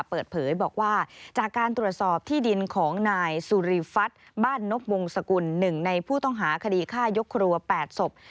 เปิดเผยบอกว่าจากการตรวจสอบที่ดินของนายสุริฟัฐบ้านนบวงสกุล๑ในผู้ต้องหาคดีฆ่ายกครัว๘ศพ